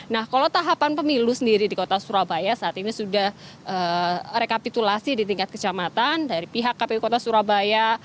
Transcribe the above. nah kalau tahapan pemilu sendiri di kota surabaya saat ini sudah rekapitulasi di tingkat kecamatan dari pihak kpu kota surabaya